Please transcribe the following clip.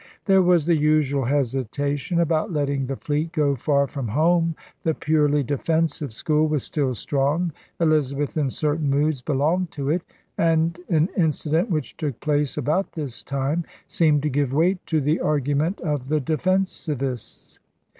There was the usual hesitation about letting the fleet go far from home. The * purely defensive' school was still strong; Elizabeth in certain moods belonged to it; and an incident which took place about this time seemed to give weight to the argu ments of the defensivists.